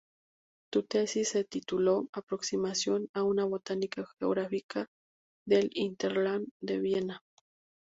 Su tesis se tituló "Aproximación a una Botánica geográfica del hinterland de Viena".